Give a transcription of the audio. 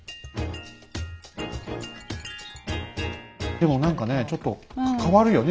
でも何かねちょっと変わるよね